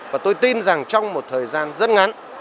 và tôi tin rằng trong một thời gian rất ngắn